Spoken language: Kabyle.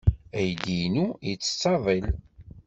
Aydi-inu yettett aḍil.